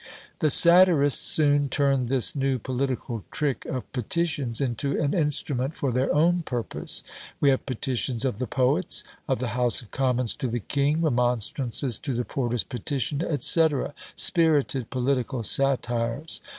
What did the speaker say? The satirists soon turned this new political trick of "petitions" into an instrument for their own purpose: we have "Petitions of the Poets," of the House of Commons to the King, Remonstrances to the Porters' Petition, &c.: spirited political satires.